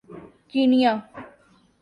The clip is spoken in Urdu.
کینیا